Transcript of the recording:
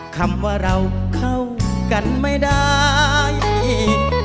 คำว่าเราเข้ากันไม่ได้